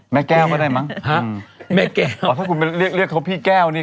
แม่แก้วมาได้มั้งแม่แก้วเรียกหรือแม่แกี้วนี่